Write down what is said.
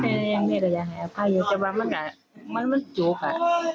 แม่ยังไงกับแม่ภายใจว่ามันอะมันมันจุกอะ